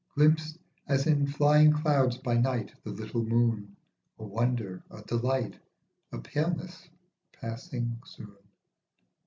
Glimpsed as in flying clouds by night the little moon, A wonder, a delight, a paleness passing soon.